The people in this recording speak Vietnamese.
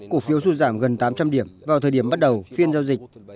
cổ phiếu xuất giảm gần tám trăm linh điểm vào thời điểm bắt đầu phiên giáo dịch